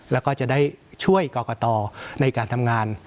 แล้วก็จะได้ช่วยกรกตในการทำงาน